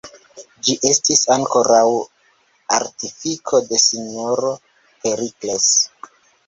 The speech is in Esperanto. Ĝi estis ankoraŭ artifiko de S-ro Perikles.